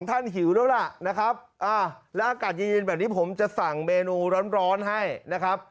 ท่านหิวแล้วล่ะนะครับอ่าแล้วอากาศยืนยืนแบบนี้ผมจะสั่งเมนูร้อนร้อนให้นะครับ